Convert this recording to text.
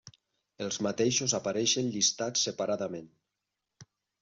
Els mateixos apareixen llistats separadament.